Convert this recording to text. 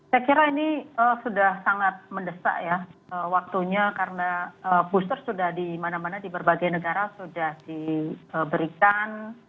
saya kira ini sudah sangat mendesak ya waktunya karena booster sudah di mana mana di berbagai negara sudah diberikan